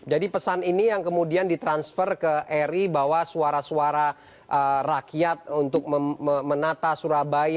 jadi pesan ini yang kemudian ditransfer ke ri bahwa suara suara rakyat untuk menata surabaya